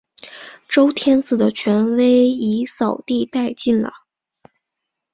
周天子的权威已扫地殆尽了。